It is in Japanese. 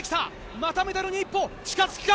またメダルに１歩近付くか。